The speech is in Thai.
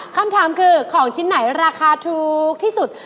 คำถามคือของชิ้นไหนราคาถูกที่สุด